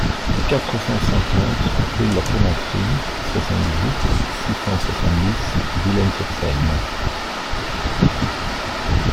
quatre cent cinquante rue de la Clémenterie, soixante-dix-huit, six cent soixante-dix, Villennes-sur-Seine